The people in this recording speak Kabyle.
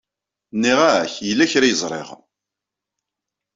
Nniɣ-ak yella kra ay ẓriɣ.